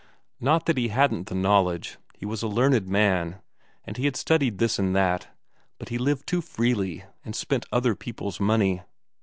Not that he hadn't the knowledge; he was a learned man, and had studied this and that, but he lived too freely, and spent other people's money.